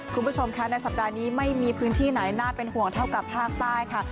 คุณผู้ชมค่ะในสัปดาห์นี้ไม่มีพื้นที่ไหนน่าเป็นห่วงเท่ากับภาคใต้ค่ะ